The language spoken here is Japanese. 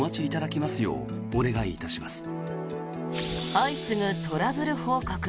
相次ぐトラブル報告。